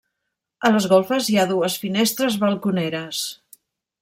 A les golfes hi ha dues finestres balconeres.